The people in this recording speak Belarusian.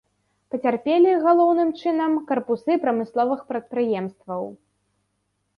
Пацярпелі, галоўным чынам, карпусы прамысловых прадпрыемстваў.